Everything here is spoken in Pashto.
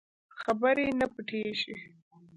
خبرې نه پټېږي.